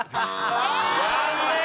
残念！